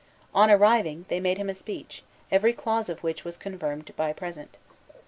On arriving, they made him a speech, every clause of which was confirmed by a present.